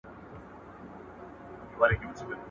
تېر ایستونکې خندا